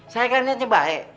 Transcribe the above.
saya kan niatnya baik